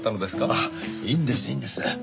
いいんですいいんです。